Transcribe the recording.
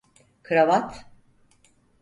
Kravat…